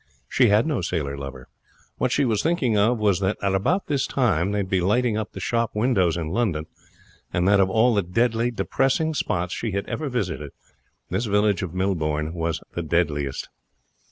She had no sailor lover. What she was thinking of was that at about this time they would be lighting up the shop windows in London, and that of all the deadly, depressing spots she had ever visited this village of Millbourne was the deadliest.